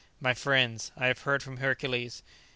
"My friends, I have heard from Hercules.